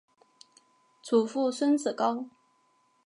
祖父孙子高。